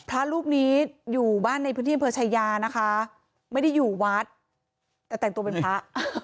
พระรูปนี้อยู่บ้านในพื้นที่อำเภอชายานะคะไม่ได้อยู่วัดแต่แต่งตัวเป็นพระ